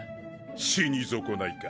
死に損ないか。